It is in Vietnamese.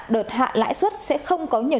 đợt hạ lãi xuất sẽ không có nhiều